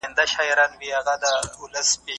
آیا ژباړه تر اصلي لیکني سخته ده؟